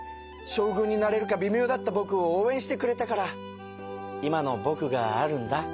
将軍になれるかびみょうだったぼくを応えんしてくれたから今のぼくがあるんだ。